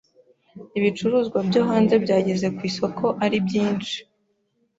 Ibicuruzwa byo hanze byageze ku isoko ari byinshi.